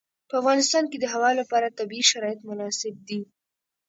په افغانستان کې د هوا لپاره طبیعي شرایط مناسب دي.